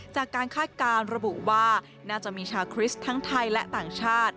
คาดการณ์ระบุว่าน่าจะมีชาวคริสต์ทั้งไทยและต่างชาติ